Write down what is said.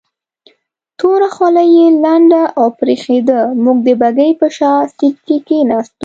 توره خولۍ یې لنده او برېښېده، موږ د بګۍ په شا سیټ کې کېناستو.